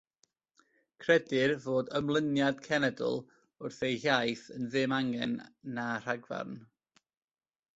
Credir fod ymlyniad cenedl wrth ei hiaith yn ddim angen na rhagfarn.